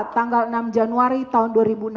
tanggal enam januari tahun dua ribu enam belas